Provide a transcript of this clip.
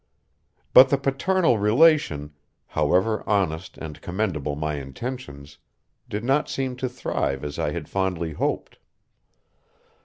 But the paternal relation, however honest and commendable my intentions, did not seem to thrive as I had fondly hoped.